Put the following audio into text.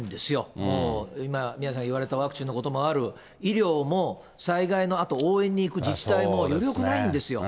もう今、宮根さん言われたワクチンのこともある、医療も災害のあと応援に行く自治体も、余力ないんですよ。